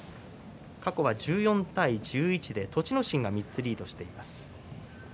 過去は１４対１１で栃ノ心が３つリードしています。